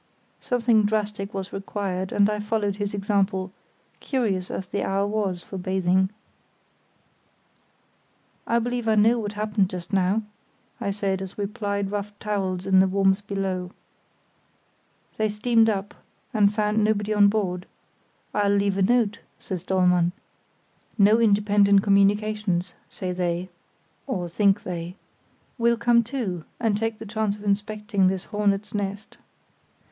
Something drastic was required, and I followed his example, curious as the hour was for bathing. "I believe I know what happened just now," said I, as we plied rough towels in the warmth below. "They steamed up and found nobody on board. 'I'll leave a note,' says Dollmann. 'No independent communications,' say they (or think they), 'we'll come too, and take the chance of inspecting this hornets' nest.